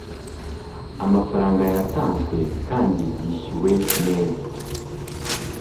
amafaranga yatanzwe kandi yishyuwe yose